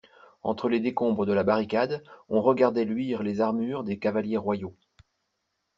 Entre les décombres de la barricade, on regardait luire les armures des cavaliers royaux.